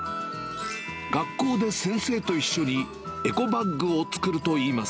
学校で先生と一緒にエコバッグを作るといいます。